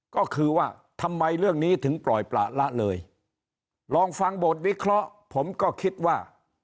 ก็คือว่าทำไมเรื่องนี้ถึงปล่อยประละเลยลองฟังบทวิเคราะห์ผมก็คิดว่า